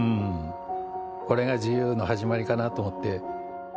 これが自由の始まりかなと思って。